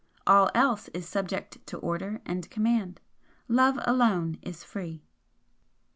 All else is subject to order and command. Love alone is free."